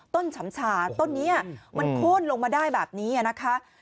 ฉ่ำชาต้นนี้มันโค้นลงมาได้แบบนี้นะคะ